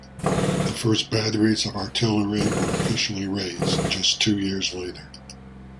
The first batteries of Artillery were officially raised just two years later.